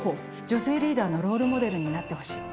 女性リーダーのロールモデルになってほしい。